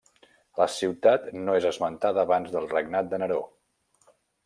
La ciutat no és esmentada abans del regnat de Neró.